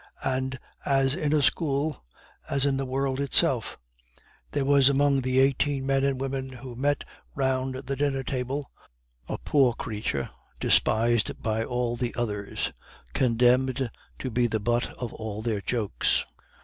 And, as in a school, as in the world itself, there was among the eighteen men and women who met round the dinner table a poor creature, despised by all the others, condemned to be the butt of all their jokes.